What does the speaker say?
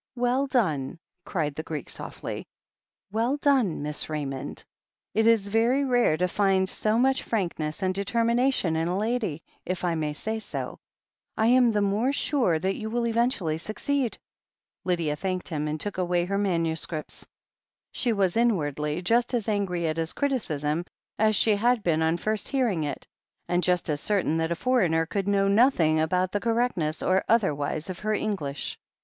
"Well done!" cried the Greek softly. "Well done. Miss Ra3anond ! It is very rare to find so much frank ness and determination in a lady, if I may say so — I am the more sure that you will eventually succeed." Lydia thanked him and took away her manu scripts. She was inwardly just as angry at his criticism as she had been on first hearing it, and just as certain that a foreigner could know nothing about the cor rectness or otherwise of her English.